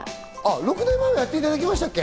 ６年前もやっていただきましたっけ？